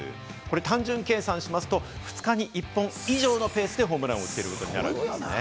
単純計算しますと、２日に１本以上のペースでホームランを打っていることになるんです。